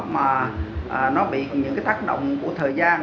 mà nó bị những cái tác động của thời gian